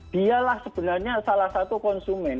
dialah sebenarnya salah satu konsumen